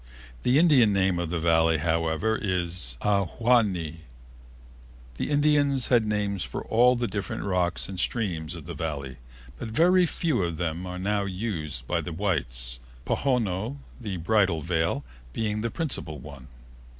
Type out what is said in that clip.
The Indian name of the Valley, however, is Ahwahnee. The Indians had names for all the different rocks and streams of the Valley, but very few of them are now in use by the whites, Pohono, the Bridal Veil, being the principal one.